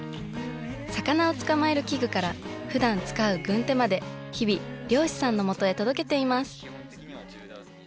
魚を捕まえる器具からふだん使う軍手まで日々漁師さんのもとへ届けています。